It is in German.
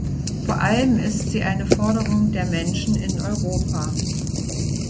Vor allem ist sie eine Forderung der Menschen in Europa.